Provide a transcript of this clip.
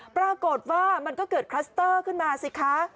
ปรากฏว่ามันก็เกิดคลัสเตอร์ขึ้นมาสิคะ